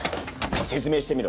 説明してみろ。